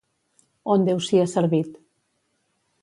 On Déu sia servit.